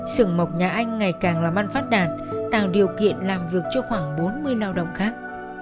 sưởng mộc nhà anh ngày càng làm ăn phát đạt tạo điều kiện làm việc cho khoảng bốn mươi lao động khác